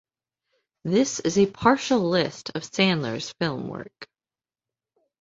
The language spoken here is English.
This is a partial list of Sandler's film work.